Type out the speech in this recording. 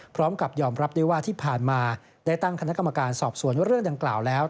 พร้อมกับยอมรับด้วยว่าที่ผ่านมาได้ตั้งคณะกรรมการสอบสวนเรื่องดังกล่าวแล้ว